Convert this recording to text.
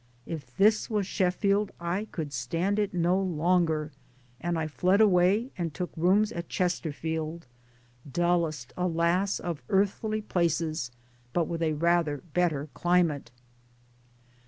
If this was Sheffield I could stand it no longer and I fled away and took rooms at Chesterfield dullest alas ! of earthly places, but with a rather better climate.